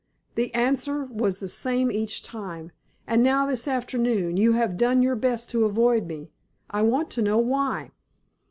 The answer was the same each time, and now this afternoon you have done your best to avoid me. I want to know why."